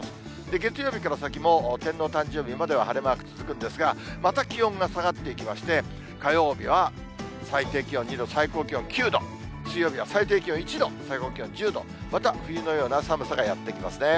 月曜日から先も、天皇誕生日までは晴れマーク続くんですが、また気温が下がっていきまして、火曜日は最低気温２度、最高気温９度、水曜日は最低気温１度、最高気温１０度、また冬のような寒さがやって来ますね。